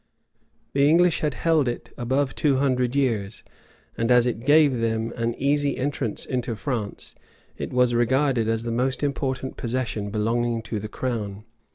The English had held it above two hundred years; and as it gave them an easy entrance into France, it was regarded as the most important possession belonging to the crown.